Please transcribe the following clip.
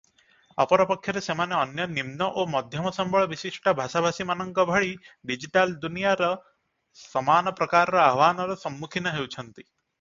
ଅପରପକ୍ଷରେ ସେମାନେ ଅନ୍ୟ ନିମ୍ନ ଓ ମଧ୍ୟମ ସମ୍ବଳ ବିଶିଷ୍ଟ ଭାଷା ଭାଷୀମାନଙ୍କ ଭଳି ଡିଜିଟାଲ ଦୁନିଆରେ ସମାନ ପ୍ରକାରର ଆହ୍ୱାନର ସମ୍ମୁଖୀନ ହେଉଛନ୍ତି ।